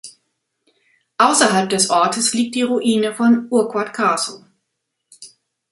Außerhalb des Ortes liegt die Ruine von Urquhart Castle.